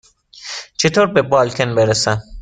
چطور به بالکن برسم؟